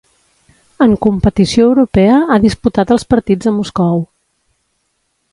En competició europea ha disputat els partits a Moscou.